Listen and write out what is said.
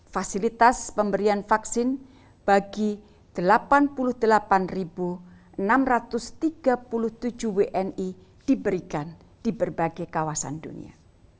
fasilitas pemberian vaksin bagi delapan puluh delapan enam ratus tiga puluh tujuh wni diberikan di berbagai kawasan dunia